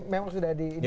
memang sudah di ini ya